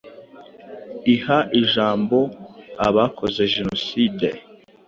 iha ijambo abakoze Jenoside